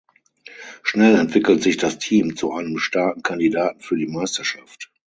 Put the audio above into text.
Schnell entwickelt sich das Team zu einem starken Kandidaten für die Meisterschaft.